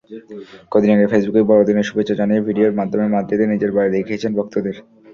কদিন আগে ফেসবুকে বড়দিনের শুভেচ্ছা জানিয়ে ভিডিওর মাধ্যমে মাদ্রিদে নিজের বাড়ি দেখিয়েছেন ভক্তদের।